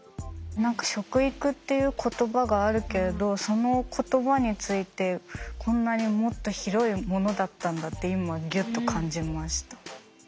何か食育っていう言葉があるけれどその言葉についてこんなにもっと広いものだったんだって今ギュッと感じました。